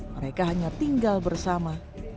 mereka hanya tinggal bersama